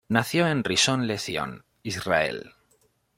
Nació en Rishon Lezion, Israel.